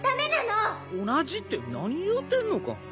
同じて何言うてんのか。